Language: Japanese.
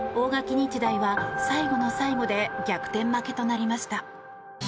日大は最後の最後で逆転負けとなりました。